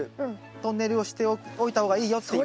トンネルをしておいた方がいいよっていう。